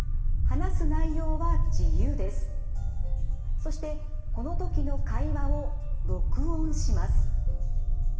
そしてこの時の会話を録音します。